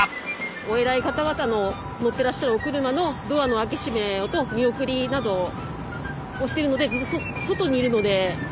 お偉い方々の乗ってらっしゃるお車のドアの開け閉めと見送りなどをしてるのでずっと外にいるので。